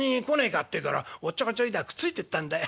ってえからおっちょこちょいだくっついてったんだよ。